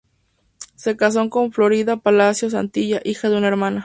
Se casó con Florinda Palacio Santillán, hija de una hermana.